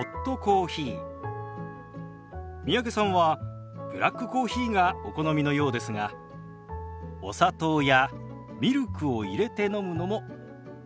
三宅さんはブラックコーヒーがお好みのようですがお砂糖やミルクを入れて飲むのもおすすめです。